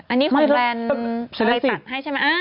อันนี้คุณแบรนด์ใครปัดให้ใช่ไหม